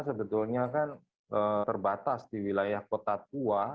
sebetulnya kan terbatas di wilayah kota tua